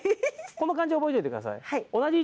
この感じ覚えておいてください。